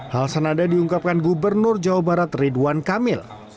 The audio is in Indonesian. hal senada diungkapkan gubernur jawa barat ridwan kamil